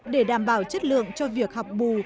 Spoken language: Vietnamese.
để đảm bảo chất lượng cho việc học bù